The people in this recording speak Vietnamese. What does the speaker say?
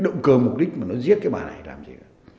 động cơ mục đích mà nó giết cái bà này làm gì